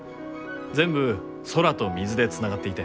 全部空と水でつながっていて。